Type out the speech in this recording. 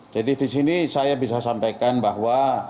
jadi disini saya bisa sampaikan bahwa